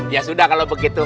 ya sudah kalau begitu